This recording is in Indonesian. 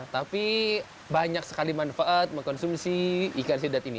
tapi banyak sekali manfaat mengkonsumsi ikan sidat ini